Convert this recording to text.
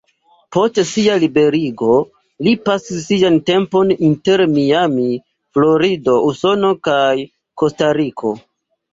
Post sia liberigo, li pasis sian tempon inter Miami, Florido, Usono kaj Kostariko.